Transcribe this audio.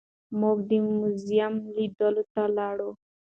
موږ د موزیم لیدلو ته لاړو.